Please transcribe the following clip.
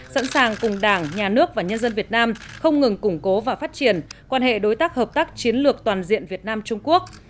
sẵn sàng cùng đảng nhà nước và nhân dân việt nam không ngừng củng cố và phát triển quan hệ đối tác hợp tác chiến lược toàn diện việt nam trung quốc